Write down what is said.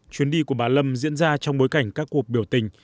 chuyến đi của bà lâm diễn ra trong bối cảnh các cuộc biểu tình